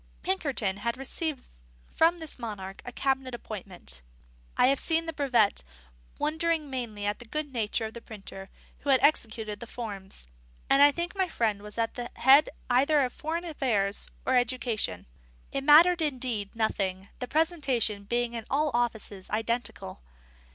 Pinkerton had received from this monarch a cabinet appointment; I have seen the brevet, wondering mainly at the good nature of the printer who had executed the forms, and I think my friend was at the head either of foreign affairs or education: it mattered, indeed, nothing, the presentation being in all offices identical.